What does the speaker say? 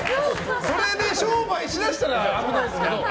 それで商売しだしたら危ないですけど。